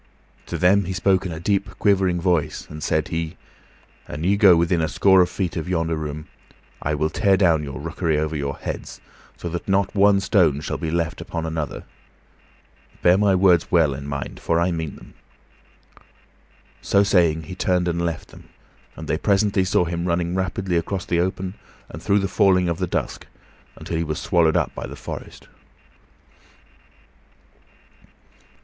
To them he spoke in a deep, quivering voice, and said he, "An ye go within a score of feet of yonder room, I will tear down your rookery over your heads so that not one stone shall be left upon another. Bear my words well in mind, for I mean them." So saying, he turned and left them, and they presently saw him running rapidly across the open, through the falling of the dusk, until he was swallowed up by the forest.